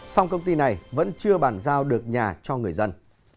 song công ty này vẫn chưa bàn giao được nhà cho người dân